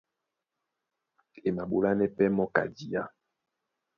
E maɓolánɛ́ pɛ́ mɔ́ ka diá.